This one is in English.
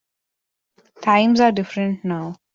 Times are different now.